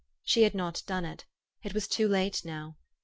She had not done it. It was too late now.